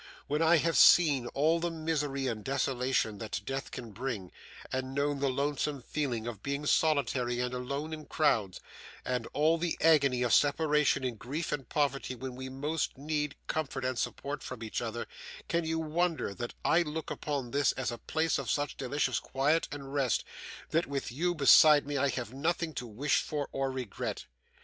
When I have seen all the misery and desolation that death can bring, and known the lonesome feeling of being solitary and alone in crowds, and all the agony of separation in grief and poverty when we most needed comfort and support from each other, can you wonder that I look upon this as a place of such delicious quiet and rest, that with you beside me I have nothing to wish for or regret?